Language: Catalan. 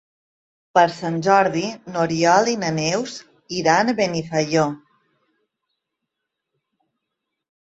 Per Sant Jordi n'Oriol i na Neus iran a Benifaió.